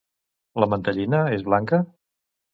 La mantellina és blanca?